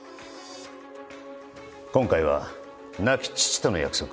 今回は亡き父との約束